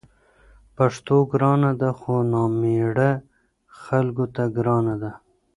پښتو ګرانه ده؛ خو نامېړه خلکو ته ګرانه ده